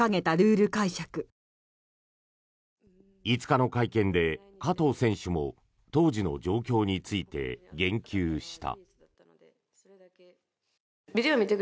５日の会見で加藤選手も当時の状況について言及した。